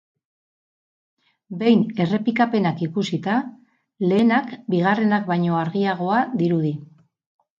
Behin errepikapenak ikusita, lehenak bigarrenak baino argiagoa dirudi.